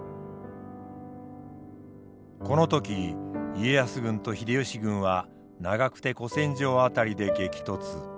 この時家康軍と秀吉軍は長久手古戦場辺りで激突。